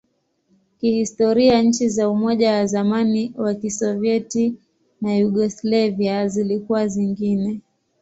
Kihistoria, nchi za Umoja wa zamani wa Kisovyeti na Yugoslavia zilikuwa zingine.